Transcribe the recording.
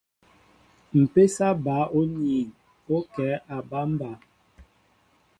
Mpésa ɓă oniin o kɛ a aɓambá.